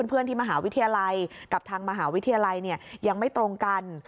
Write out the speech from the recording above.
เพื่อนที่มหาวิทยาลัยกับทางมหาวิทยาลัยยังไม่ตรงกัน